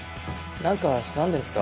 何かしたんですか？